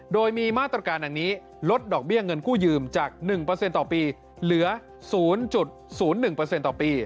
โดยมีมาตรการดังนี้ลดดอกเบี้ยเงินกู้ยืมจาก๑ต่อปีเหลือ๐๐๑ต่อปี